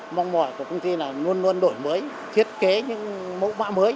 mong mỏi của công ty là luôn luôn đổi mới thiết kế những mẫu mã mới